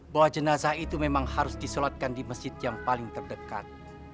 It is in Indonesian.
bahwa jenazah itu memang harus disolatkan di masjid yang paling terdekat